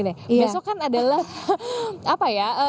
besok kan adalah apa ya